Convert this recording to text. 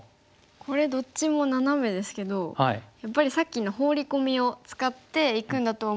これどっちもナナメですけどやっぱりさっきのホウリコミを使っていくんだと思うんですけど。